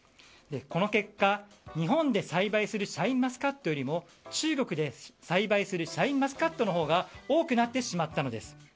この結果、日本で栽培するシャインマスカットよりも中国で栽培するシャインマスカットのほうが多くなってしまったのです。